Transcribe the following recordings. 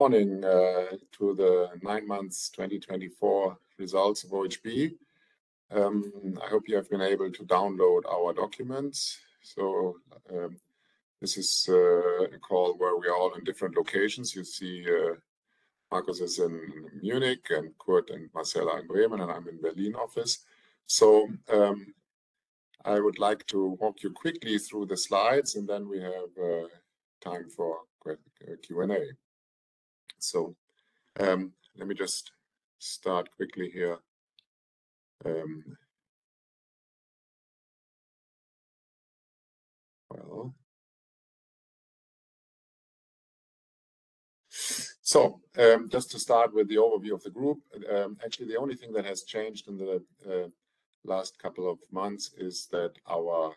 Welcome to the nine-month 2024 results of OHB. I hope you have been able to download our documents. This is a call where we are all in different locations. You see, Markus is in Munich, and Kurt and Marcel are in Bremen; and I'm in the Berlin office. I would like to walk you quickly through the slides, and then we have time for a quick Q&A. Let me just start quickly here. Well. So, just to start with the overview of the group, actually, the only thing that has changed in the last couple of months is that our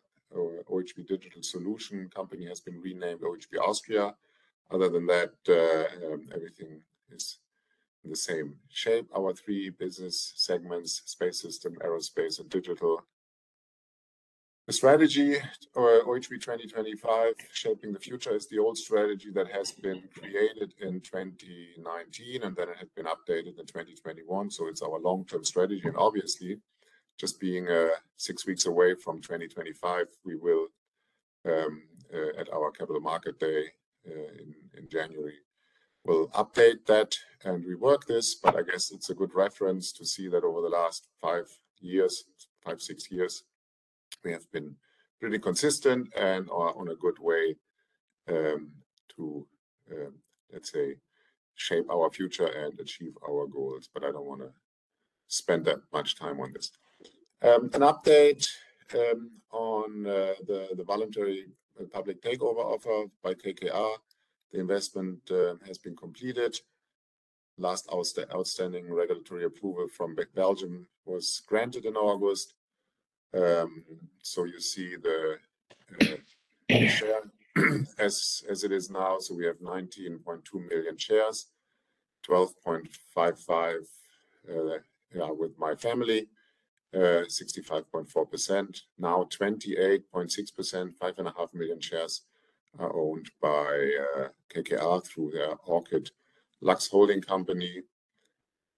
OHB Digital Solutions company has been renamed OHB Austria. Other than that, everything is in the same shape: our three business segments Space Systems, Aerospace, and Digital. The strategy, OHB 2025: Shaping the Future, is the old strategy that has been created in 2019, and then it has been updated in 2021. It's our long-term strategy. Obviously, just being six weeks away from 2025, we will at our Capital Market Day in January, we'll update that and rework this. I guess it's a good reference to see that over the last five, six years, we have been pretty consistent and are on a good way to, let's say, shape our future and achieve our goals. I don't want to spend that much time on this. An update on the voluntary public takeover offer by KKR. The investment has been completed. Last outstanding regulatory approval from Belgium was granted in August. You see the share as it is now. We have 19.2 million shares, 12.55 million, yeah, with my family, 65.4%. Now 28.6%, 5.5 million shares are owned by KKR through their Orchid Lux HoldCo.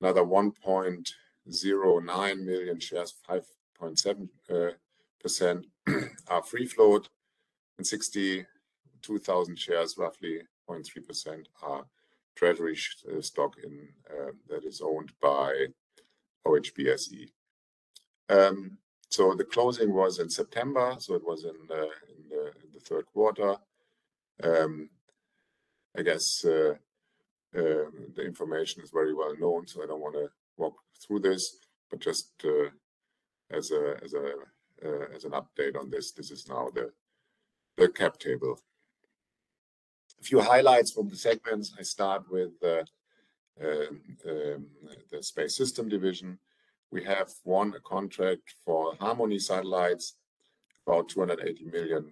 Another 1.09 million shares, 5.7%, are free float. And 62,000 shares, roughly 0.3%, are treasury stock that is owned by OHB SE. The closing was in September, so it was in the third quarter. I guess the information is very well known, so I don't want to walk through this, but just as an update on this, this is now the cap table. A few highlights from the segments. I start with the Space Systems division. We have won a contract for Harmony satellites, about 280 million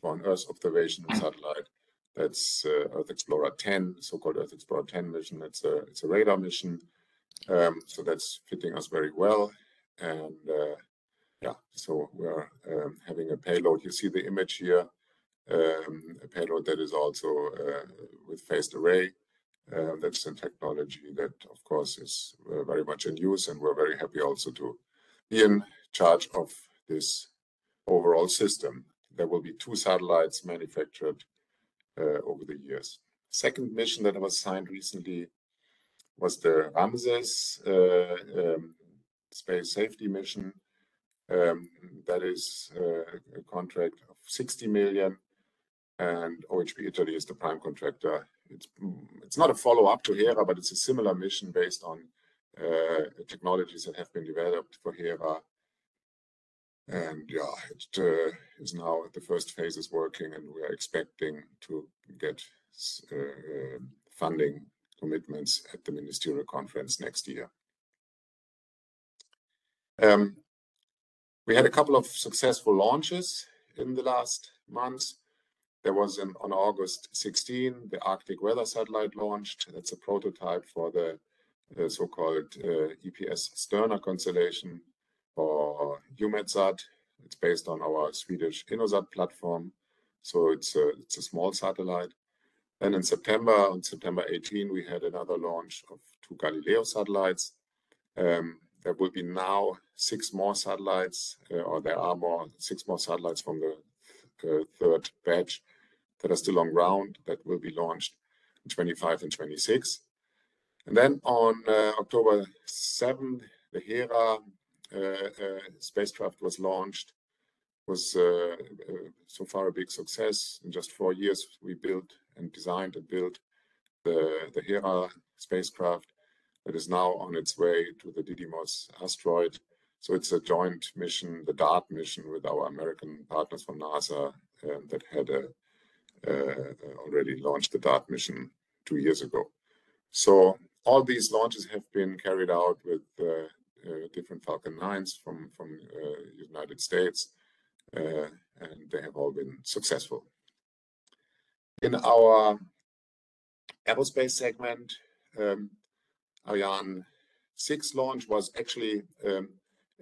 for an Earth observation satellite. That's Earth Explorer 10, so-called Earth Explorer 10 mission. It's a radar mission. That's fitting us very well. Yeah, so we are having a payload. You see the image here, a payload that is also with phased array. That's a technology that, of course, is very much in use, and we're very happy also to be in charge of this overall system. There will be two satellites manufactured over the years. Second mission that was signed recently was the Ramses Space Safety Mission. That is a contract of 60 million, and OHB Italy is the prime contractor. It's not a follow-up to Hera, but it's a similar mission based on technologies that have been developed for Hera. And yeah, it is now the first phase is working, and we are expecting to get funding commitments at the Ministerial Conference next year. We had a couple of successful launches in the last months. There was on 16 August 2024 the Arctic Weather Satellite launched. That's a prototype for the so-called EPS-Sterna constellation or EUMETSAT. It's based on our Swedish InnoSat platform. It's a small satellite. In September, on 18 September 2024, we had another launch of two Galileo satellites. There will now be six more satellites from the third batch that are still on ground that will be launched in 2025 and 2026. On 7 October 2024, the Hera spacecraft was launched so far a big success. In just four years, we designed and built the Hera spacecraft that is now on its way to the Didymos asteroid. It's a joint mission, the DART mission with our American partners from NASA, that had already launched the DART mission two years ago. So all these launches have been carried out with different Falcon 9s from the United States, and they have all been successful. In our aerospace segment, Ariane 6 launch was actually,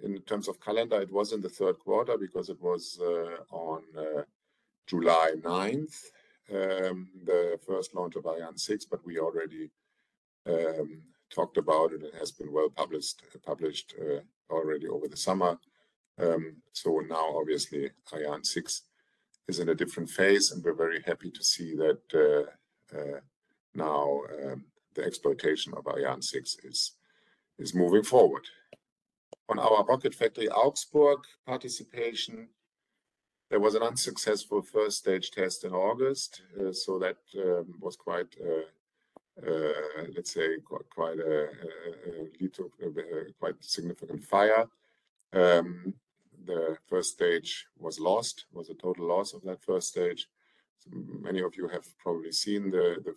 in terms of calendar, it was in the third quarter because it was on 9 July 2024, the first launch of Ariane 6, but we already talked about it. It has been well published already over the summer. So now obviously Ariane 6 is in a different phase, and we're very happy to see that now the exploitation of Ariane 6 is moving forward. On our Rocket Factory Augsburg participation, there was an unsuccessful first stage test in August. So that was quite, let's say, quite significant fire. The first stage was lost, a total loss of that first stage. Many of you have probably seen the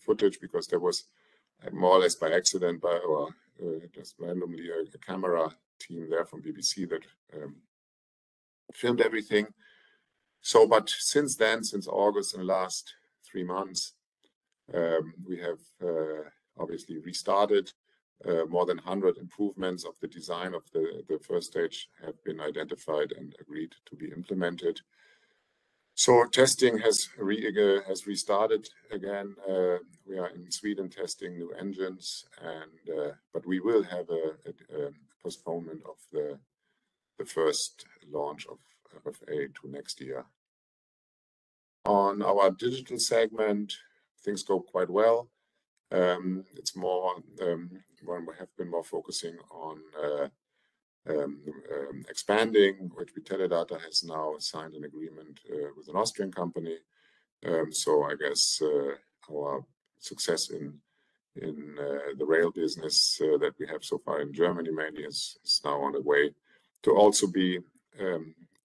footage because there was more or less by accident or just randomly a camera team there from BBC that filmed everything. But since then, since August and last three months, we have obviously restarted. More than a hundred improvements of the design of the first stage have been identified and agreed to be implemented. Testing has restarted again. We are in Sweden testing new engines, but we will have a postponement of the first launch of RFA to next year. On our digital segment, things go quite well. It is more when we have been more focusing on expanding, which OHB Teledata has now signed an agreement with an Austrian company. So I guess our success in the rail business that we have so far in Germany mainly is now on the way to also be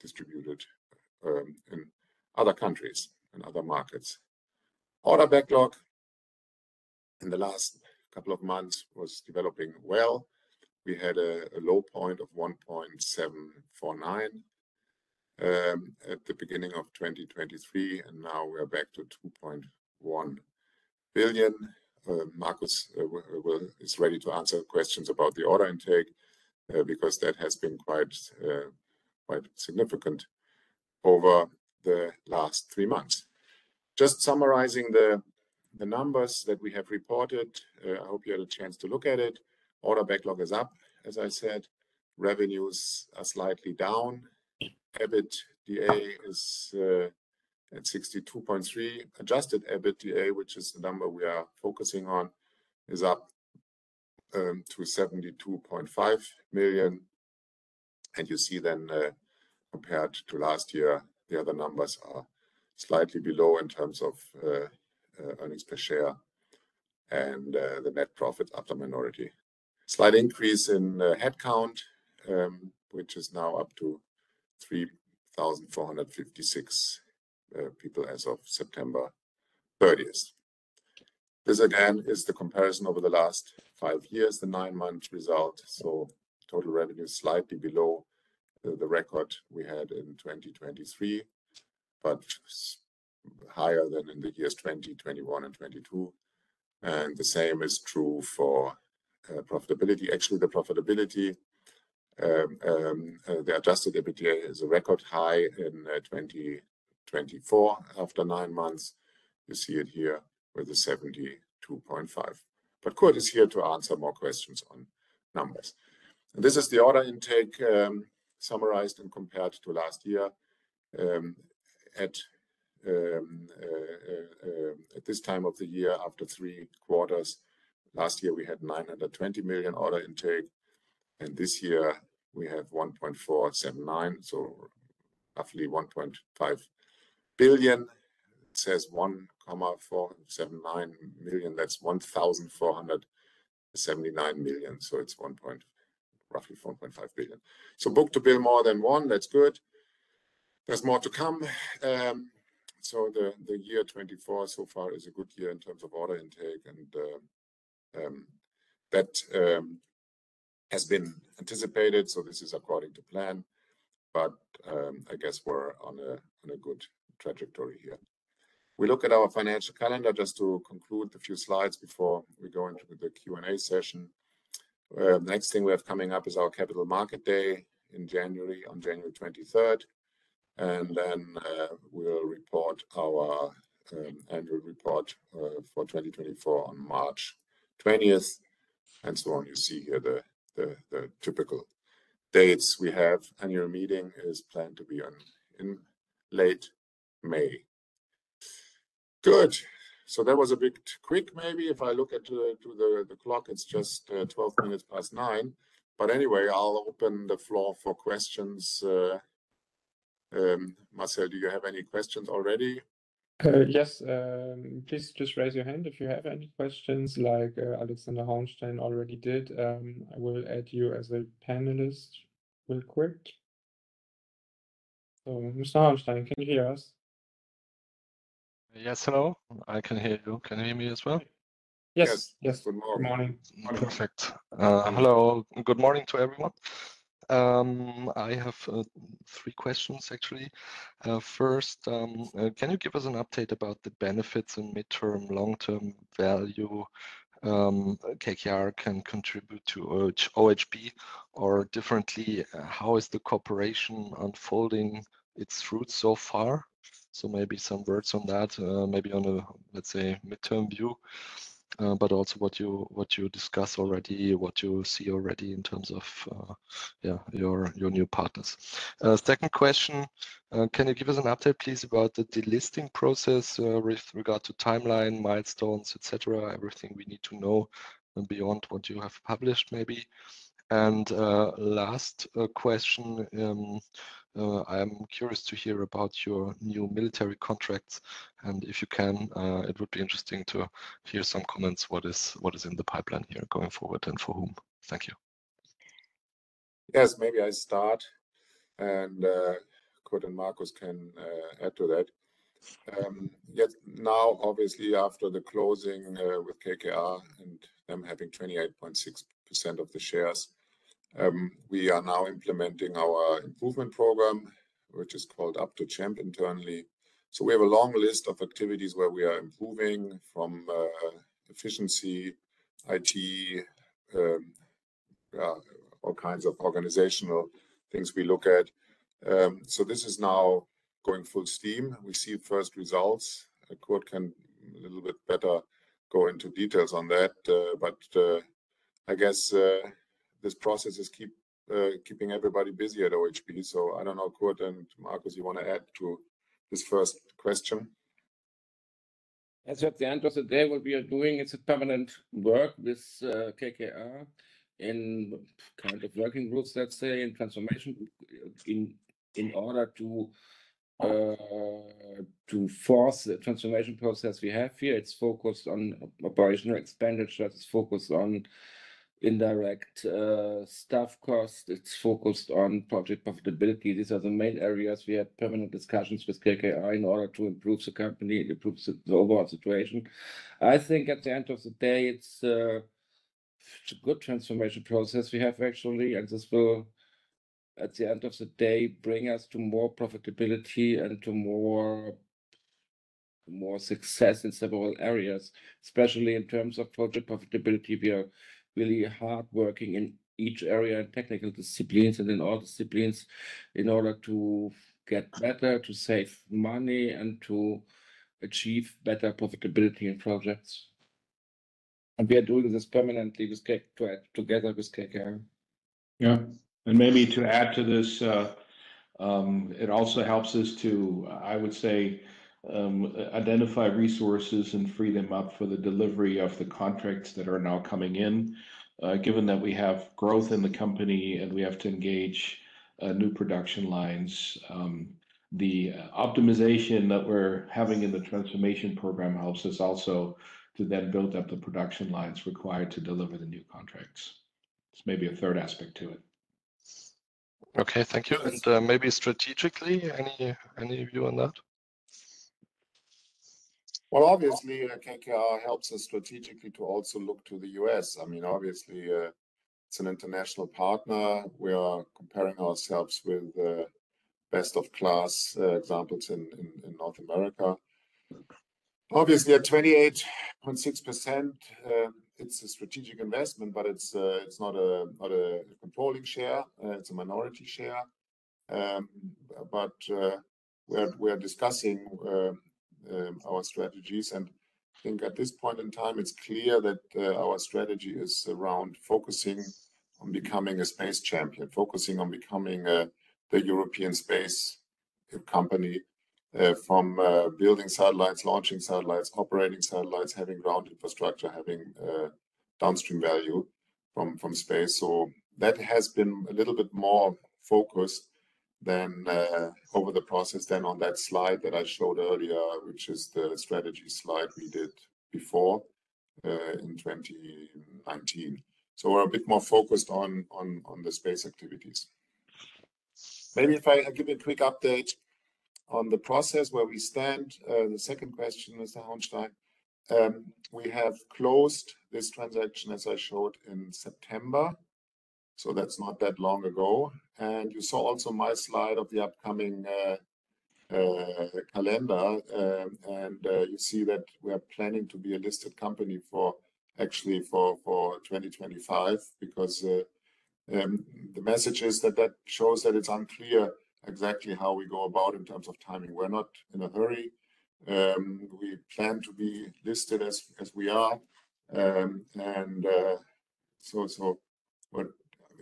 distributed in other countries and other markets. Order backlog in the last couple of months was developing well. We had a low point of 1.749 billion at the beginning of 2023, and now we are back to 2.1 billion. Markus is ready to answer questions about the order intake, because that has been quite significant over the last three months. Just summarizing the numbers that we have reported, I hope you had a chance to look at it. Order backlog is up, as I said. Revenues are slightly down. EBITDA is at 62.3 million. Adjusted EBITDA, which is the number we are focusing on, is up to 72.5 million. You see then, compared to last year, the other numbers are slightly below in terms of earnings per share and the net profits after minority. Slight increase in headcount, which is now up to 3,456 people as of 30 September 2024. This again is the comparison over the last five years, the nine-month result. Total revenue is slightly below the record we had in 2023, but higher than in the years 2021 and 2022. The same is true for profitability. Actually, the profitability, the adjusted EBITDA is a record high in 2024 after nine months. You see it here with the 72.5. But Kurt is here to answer more questions on numbers. This is the order intake, summarized and compared to last year. At this time of the year, after three quarters, last year we had 920 million order intake, and this year we have 1.479, so roughly 1.5 billion. It says 1.479 million, that's 1,479 million. So, it's 1.5 billion, roughly 1.5 billion. So, Book-to-bill more than one, that's good. There's more to come. The year 2024 so far is a good year in terms of order intake, and that has been anticipated. This is according to plan, but I guess we're on a good trajectory here. We look at our financial calendar just to conclude the few slides before we go into the Q&A session. The next thing we have coming up is our Capital Market Day in January, on 23 January 2024. And then, we'll report our annual report for 20 March 2024. And so on, you see here the typical dates we have. Annual meeting is planned to be on in late May. Good. So that was a bit quick. Maybe if I look at the to the clock, it's just 9:12 A.M. But anyway, I'll open the floor for questions. Marcel, do you have any questions already? Yes. Please just raise your hand if you have any questions, like Alexander Halmstein already did. I will add you as a panelist real quick. So Mr. Halmstein, can you hear us? Yes. Hello. I can hear you. Can you hear me as well? Yes. Yes. Good morning. Good morning. Perfect. Hello. Good morning to everyone. I have three questions actually. First, can you give us an update about the benefits and mid-term, long-term value KKR can contribute to OHB, or differently, how is the cooperation unfolding its fruits so far? So maybe some words on that, maybe on a, let's say, mid-term view, but also what you, what you discussed already, what you see already in terms of, yeah, your, your new partners. Second question, can you give us an update please about the delisting process, with regard to timeline, milestones, et cetera, everything we need to know and beyond what you have published maybe. And last question, I'm curious to hear about your new military contracts. And if you can, it would be interesting to hear some comments. What is, what is in the pipeline here going forward and for whom? Thank you. Yes. Maybe I start and Kurt and Markus can add to that. Yet now, obviously after the closing, with KKR and them having 28.6% of the shares, we are now implementing our improvement program, which is called Up2Champ internally. So, we have a long list of activities where we are improving from efficiency, IT, yeah, all kinds of organizational things we look at. So, this is now going full steam. We see first results. Kurt can a little bit better go into details on that, but I guess this process is keeping everybody busy at OHB. So, I don't know, Kurt and Markus, you want to add to this first question? At the end of the day, what we are doing, it's a permanent work with KKR in kind of working groups, let's say, in transformation in order to force the transformation process we have here. It's focused on operational expenditure. It's focused on indirect, staff cost. It's focused on project profitability. These are the main areas we have permanent discussions with KKR in order to improve the company, improve the overall situation. I think at the end of the day, it's a good transformation process we have actually, and this will, at the end of the day, bring us to more profitability and to more, more success in several areas, especially in terms of project profitability. We are really hard working in each area and technical disciplines and in all disciplines in order to get better, to save money, and to achieve better profitability in projects. And we are doing this permanently with K together with KKR. Yeah. And maybe to add to this, it also helps us to, I would say, identify resources and free them up for the delivery of the contracts that are now coming in, given that we have growth in the company and we have to engage new production lines. The optimization that we're having in the transformation program helps us also to then build up the production lines required to deliver the new contracts. It's maybe a third aspect to it. Okay. Thank you. Maybe strategically, any view on that? Well, obviously, I think, helps us strategically to also look to the US I mean, obviously, it's an international partner. We are comparing ourselves with best-of-class examples in North America. Obviously, at 28.6%, it's a strategic investment, but it's not a controlling share. It's a minority share. But we are discussing our strategies. And I think at this point in time, it's clear that our strategy is around focusing on becoming a space champion, focusing on becoming the European space company from building satellites, launching satellites, operating satellites, having ground infrastructure, having downstream value from space. So that has been a little bit more focused than over the process than on that slide that I showed earlier, which is the strategy slide we did before, in 2019. So we're a bit more focused on the space activities. Maybe if I give you a quick update on the process where we stand, the second question, Mr. Halmstein, we have closed this transaction, as I showed in September. So that's not that long ago. You saw also my slide of the upcoming calendar, and you see that we are planning to be a listed company actually for 2025 because the message is that shows that it's unclear exactly how we go about in terms of timing. We're not in a hurry. We plan to be listed as we are. So what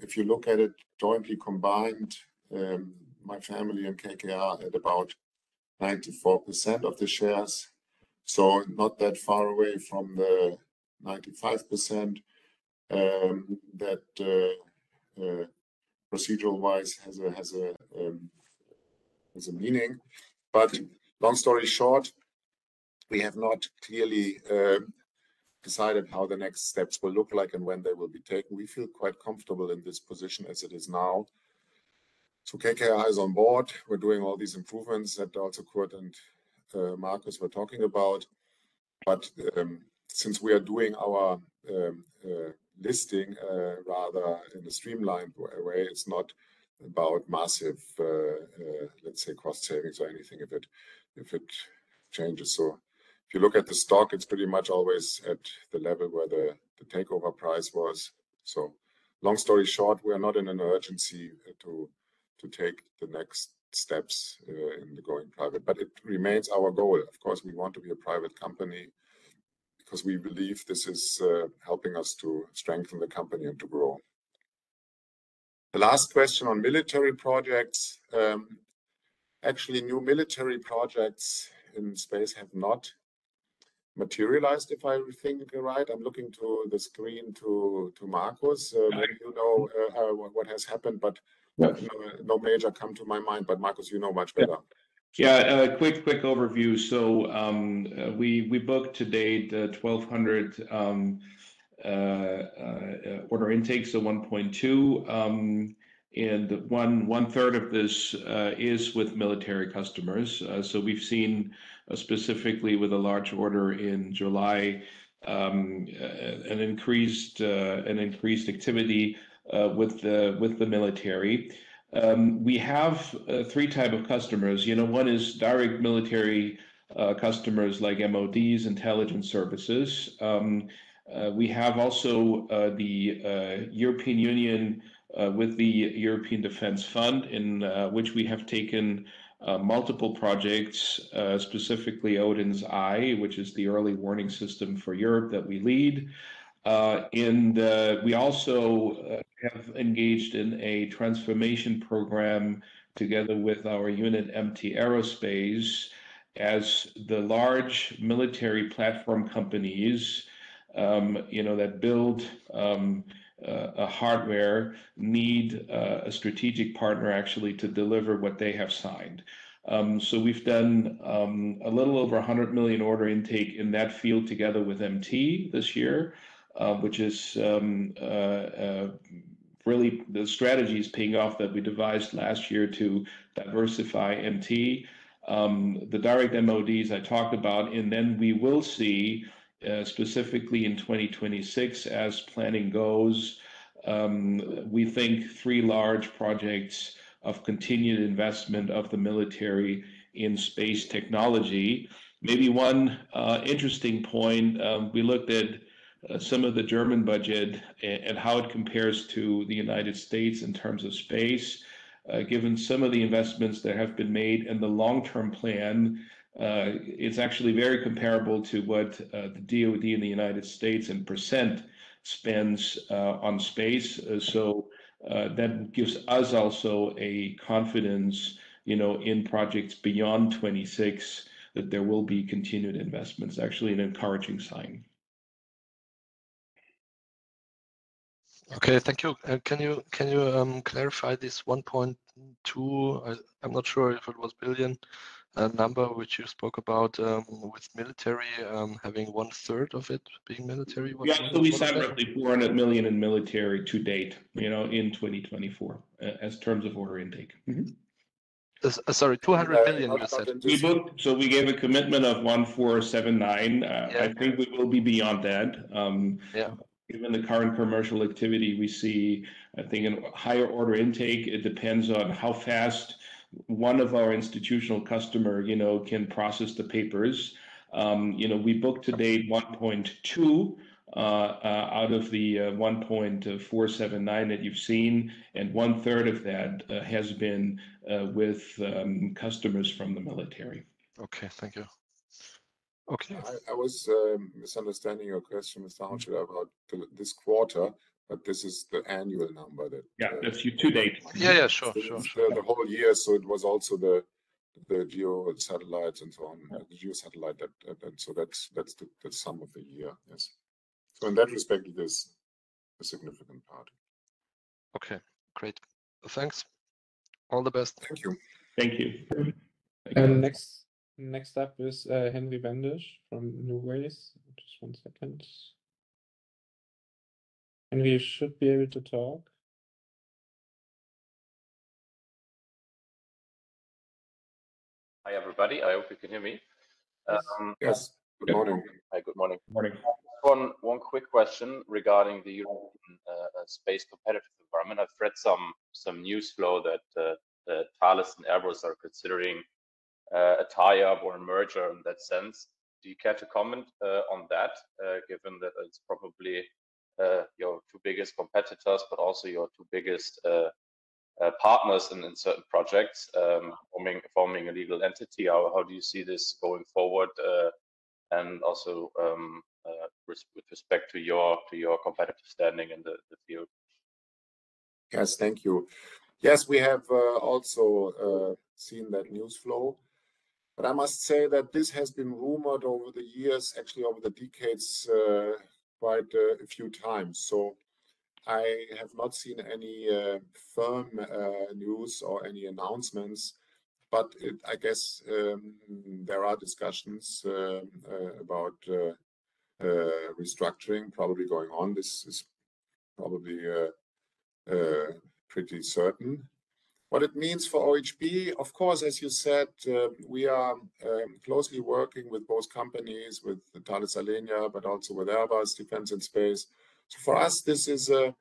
if you look at it jointly combined, my family and KKR had about 94% of the shares. So not that far away from the 95%, that procedural wise has a meaning. But long story short, we have not clearly decided how the next steps will look like and when they will be taken. We feel quite comfortable in this position as it is now. So KKR is on board. We're doing all these improvements that also Kurt and Markus were talking about. Since we are doing our listing rather in a streamlined way, it's not about massive, let's say, cost savings or anything if it changes. If you look at the stock, it's pretty much always at the level where the takeover price was. Long story short, we are not in an urgency to take the next steps in the going private, but it remains our goal. Of course, we want to be a private company because we believe this is helping us to strengthen the company and to grow. The last question on military projects, actually new military projects in space have not materialized, if I think right. I'm looking to the screen to Markus. Maybe you know what has happened, but no major come to my mind. Markus, you know much better. Yeah. Quick overview. We booked today 1.2 billion in order intake, so 1.2, and one-third of this is with military customers. We've seen specifically with a large order in July an increased activity with the military. We have three types of customers. You know, one is direct military customers like MODs, intelligence services. We have also the European Union with the European Defence Fund in which we have taken multiple projects, specifically ODIN's EYE, which is the early warning system for Europe that we lead. We also have engaged in a transformation program together with our unit, MT Aerospace, as the large military platform companies, you know, that build a hardware need a strategic partner actually to deliver what they have signed. So, we've done a little over 100 million order intake in that field together with MT this year, which is really the strategy is paying off that we devised last year to diversify MT. The direct MODs I talked about, and then we will see specifically in 2026 as planning goes. We think three large projects of continued investment of the military in space technology. Maybe one interesting point, we looked at some of the German budget and how it compares to the United States in terms of space, given some of the investments that have been made and the long-term plan. It's actually very comparable to what the DOD in the United States in percent spends on space. So, that gives us also a confidence, you know, in projects beyond 2026 that there will be continued investments, actually an encouraging sign. Okay. Thank you. And can you clarify this 1.2? I'm not sure if it was billion, which you spoke about, with military, having one third of it being military. Yeah. So, we separately... [inaudible] 400 million in military to date, you know, in 2024 as terms of order intake. Sorry. EUR 200 million you said. [inaudible] We book... So, we gave a commitment of 1.479 billion. I think we will be beyond that. Yeah. Given the current commercial activity, we see, I think in higher order intake, it depends on how fast one of our institutional customers, you know, can process the papers. You know, we booked today 1.2 billion, out of the 1.479 billion that you've seen, and one third of that has been with customers from the military. Okay. Thank you. Okay. I was misunderstanding your question, Mr. Halmstein, about this quarter, but this is the annual number that. Yeah. That's up to date. Yeah. Yeah. Sure. Sure. The whole year. So it was also the geo satellites and so on, geo satellite that. So that's the sum of the year. Yes. So in that respect, it is a significant part. Okay. Great. Thanks. All the best. Thank you. Thank you. [inaudible] And next up is Henry Wendisch from NuWays. Just one second. And we should be able to talk. Hi everybody. I hope you can hear me. Yes. Good morning. Hi. Good morning. Good morning. Good morning. Just one quick question regarding the European space competitive environment. I've read some news flow that Thales and Airbus are considering a tie-up or a merger in that sense. Do you care to comment on that, given that it's probably your two biggest competitors, but also your two biggest partners in certain projects, forming a legal entity? How do you see this going forward, and also with respect to your competitive standing in the field? Yes. Thank you. Yes. We have also seen that news flow, but I must say that this has been rumored over the years, actually over the decades, quite a few times. So I have not seen any firm news or any announcements, but I guess there are discussions about restructuring probably going on. This is probably pretty certain. What it means for OHB, of course, as you said, we are closely working with both companies, with Thales Alenia, but also with Airbus Defense and Space. So for us, this is an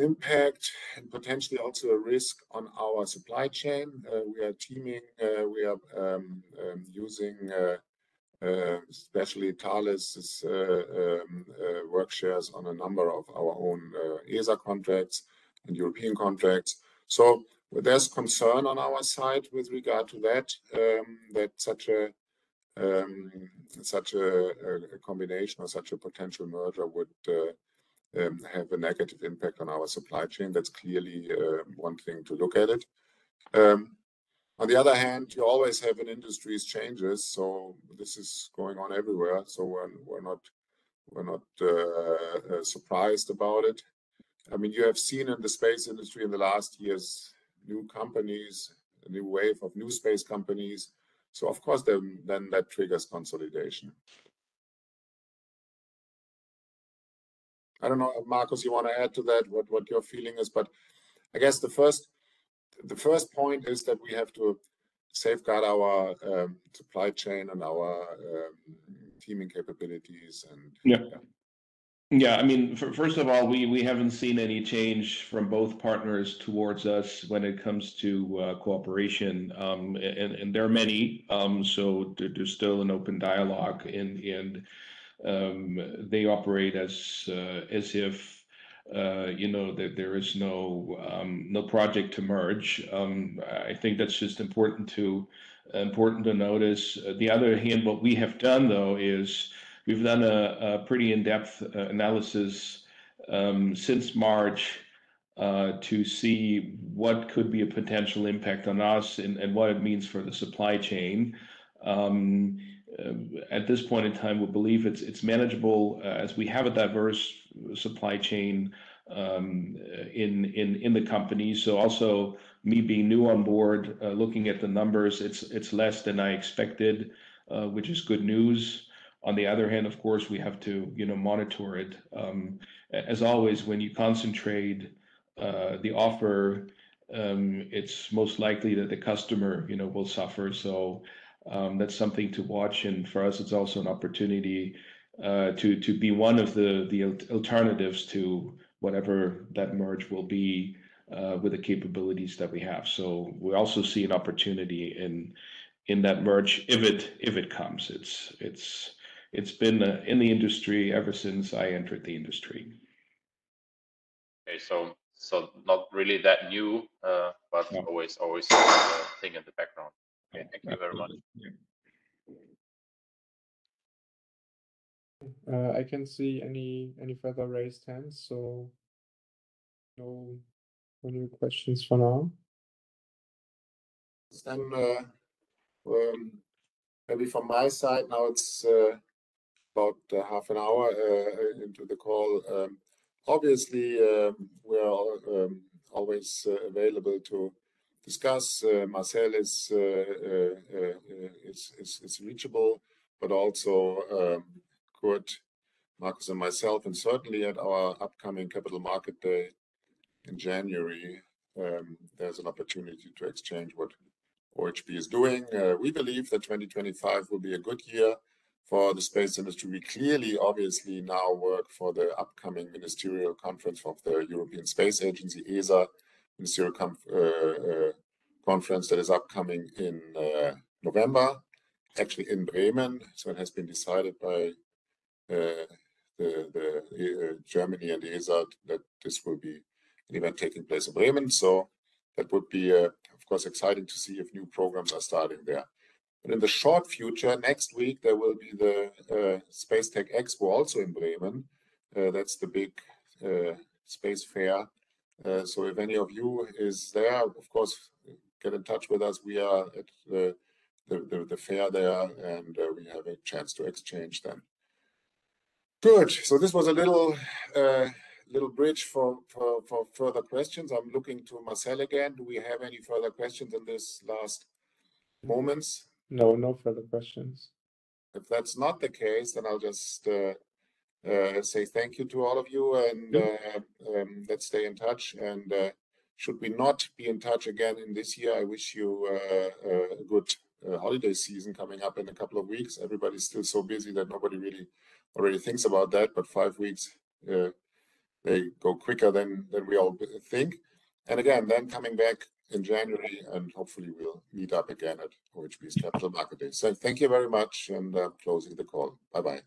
impact and potentially also a risk on our supply chain. We are teaming, using especially Thales's work shares on a number of our own ESA contracts and European contracts. So there's concern on our side with regard to that, such a combination or such a potential merger would have a negative impact on our supply chain. That's clearly one thing to look at. On the other hand, you always have an industry's changes. So, this is going on everywhere. So, we're not surprised about it. I mean, you have seen in the space industry in the last years new companies, a new wave of new space companies. So of course, then that triggers consolidation. I don't know, Markus, you wanna add to that what your feeling is, but I guess the first point is that we have to safeguard our supply chain and our teaming capabilities and... [inaudible] Yeah. I mean, first of all, we haven't seen any change from both partners towards us when it comes to cooperation. And there are many, so there's still an open dialogue and they operate as if, you know, that there is no project to merge. I think that's just important to notice. On the other hand, what we have done though is we've done a pretty in-depth analysis since March to see what could be a potential impact on us and what it means for the supply chain. At this point in time, we believe it's manageable, as we have a diverse supply chain in the company. So also, me being new on board, looking at the numbers, it's less than I expected, which is good news. On the other hand, of course, we have to, you know, monitor it. As always, when you concentrate the offer, it's most likely that the customer, you know, will suffer. So, that's something to watch. And for us, it's also an opportunity to be one of the alternatives to whatever that merge will be, with the capabilities that we have. So, we also see an opportunity in that merge if it comes. It's been in the industry ever since I entered the industry. Okay. So not really that new, but always a thing in the background. [Inaudble] Thank you very much. I can't see any further raised hands. So, no questions for now. And maybe from my side now it's about a half an hour into the call. Obviously, we are always available to discuss. Marcel is reachable, but also could Markus and myself, and certainly at our upcoming Capital Market Day in January, there's an opportunity to exchange what OHB is doing. We believe that 2025 will be a good year for the space industry. We clearly obviously now work for the upcoming ministerial conference of the European Space Agency, ESA Ministerial conference that is upcoming in November, actually in Bremen, so it has been decided by the Germany and ESA that this will be an event taking place in Bremen. So that would be, of course exciting to see if new programs are starting there. But in the short future, next week there will be the Space Tech Expo also in Bremen. That's the big space fair. So, if any of you is there, of course get in touch with us. We are at the fair there and we have a chance to exchange then. Good. So, this was a little bridge for further questions. I'm looking to Marcel again. Do we have any further questions in this last moments? No, no further questions. If that's not the case, then I'll just say thank you to all of you and let's stay in touch. And should we not be in touch again in this year, I wish you a good holiday season coming up in a couple of weeks. Everybody's still so busy that nobody really already thinks about that, but five weeks, they go quicker than, than we all think. And again, then coming back in January and hopefully we'll meet up again at OHB's Capital Market Day. So thank you very much and, closing the call. Bye-bye.